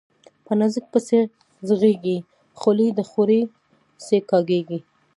په نازک پسي ږغېږي، خولې ده وخوري سي ګايږي